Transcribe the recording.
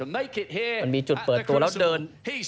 มันมีจุดเปิดตัวแล้วเดิน